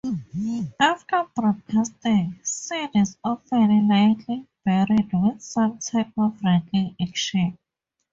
After broadcasting, seed is often lightly buried with some type of raking action.